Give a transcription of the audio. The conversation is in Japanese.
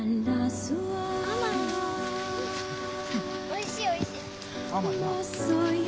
おいしいおいしい。